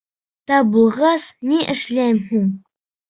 Тап булғас, ни эшләйем һуң?